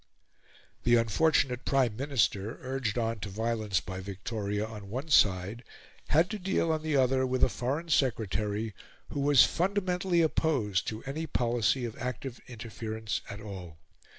The unfortunate Prime Minister, urged on to violence by Victoria on one side, had to deal, on the other, with a Foreign Secretary who was fundamentally opposed to any policy of active interference at all.